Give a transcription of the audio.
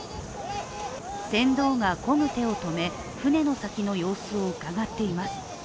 船頭がこぐ手を止め、舟の先の様子をうかがっています。